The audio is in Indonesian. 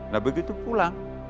nah begitu pula